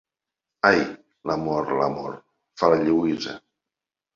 Ai, l'amor, l'amor —fa la Lluïsa.